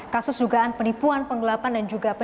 kasus dugaan penipuan pengelapan dan juga penipuan